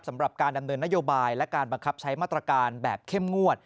สำหรับการดำเนินนโยบายและการบังคับใช้มาตรการแบบเข้มงวด